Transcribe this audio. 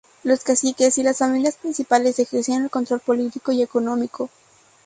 Los caciques y las familias principales ejercían el control político y económico.